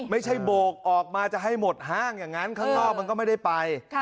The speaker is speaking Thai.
ไม่ใช่โบกออกมาจะให้หมดห้างอย่างนั้นข้างนอกมันก็ไม่ได้ไป